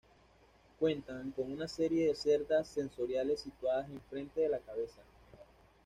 Cuentan con una serie de cerdas sensoriales situadas en el frente de la cabeza.